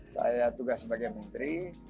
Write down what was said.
saya tugas sebagai menteri